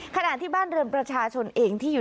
ขณะที่บ้านเรือนประชาชนเองที่อยู่